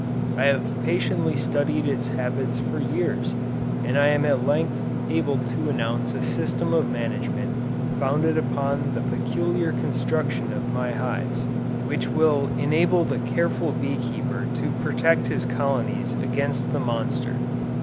I have patiently studied its habits for years, and I am at length able to announce a system of management founded upon the peculiar construction of my hives, which will enable the careful bee keeper to protect his colonies against the monster.